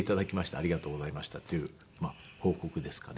「ありがとうございました」っていう報告ですかね。